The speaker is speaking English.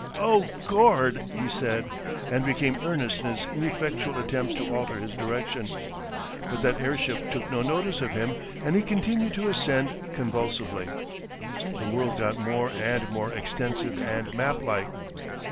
"Oh, Gord!" he said, and became earnest in his ineffectual attempts to alter his direction. But that airship took no notice of him, and he continued to ascend convulsively. The world got more and more extensive and maplike.